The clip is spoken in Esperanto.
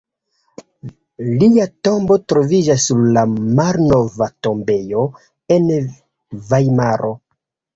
Lia tombo troviĝas sur la Malnova tombejo en Vajmaro.